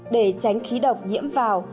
để tránh khí độc nhiễm vào